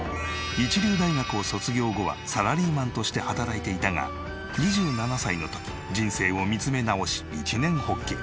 一流大学を卒業後はサラリーマンとして働いていたが２７歳の時人生を見つめ直し一念発起。